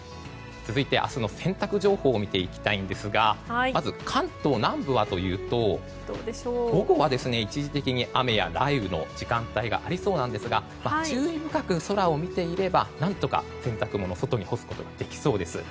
続いて、明日の洗濯情報を見ていきたいんですがまず関東南部はというと午後は一時的に雨や雷雨の時間帯がありそうなんですが注意深く空を見ていれば何とか洗濯物外に干すことができそうです。